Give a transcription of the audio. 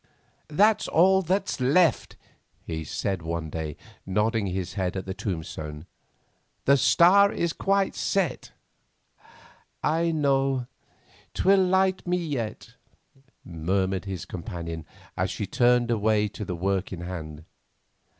"That's all that's left," he said one day, nodding his head at the tombstone. "The star is quite set." "'I know 'twill light me yet,'" murmured his companion, as she turned away to the work in hand.